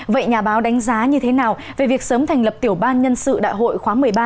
vậy nhà báo đánh giá như thế nào về việc sớm thành lập tiểu ban nhân sự đại hội khóa một mươi ba